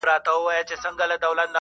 صنعت ته یې پاملرنه کوله